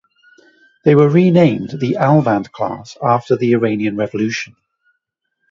They were renamed the "Alvand" class after the Iranian Revolution.